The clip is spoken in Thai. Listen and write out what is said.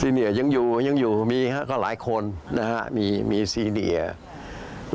ซีเนียร์ยังอยู่ยังอยู่มีก็หลายคนนะฮะมีซีเนียร์